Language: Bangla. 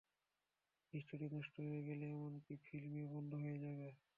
স্টুডিও নষ্ট হয়ে গেল, এমনকি ফিল্মও বন্ধ হয়ে গেল।